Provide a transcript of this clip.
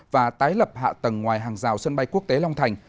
và tái lập hạ tầng ngoài hàng rào sân bay quốc tế long thành